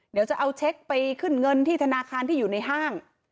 เดี๋ยวจะเอาเช็คไปขึ้นเงินที่ธนาคารที่อยู่ในห้าง